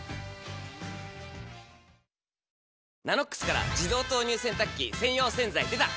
「ＮＡＮＯＸ」から自動投入洗濯機専用洗剤でた！